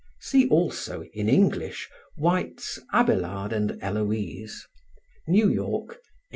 See also, in English, Wight's 'Abelard and Eloise' (New York, 1853).